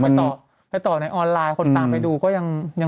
มันต่อกันที่ออนไลน์คนตามไปดูก็ยัง